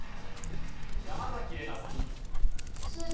山崎怜奈さん。